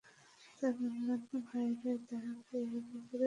তার অন্যান্য ভাইয়েরাই তাঁকে এ ব্যাপারে বাধ্য করে।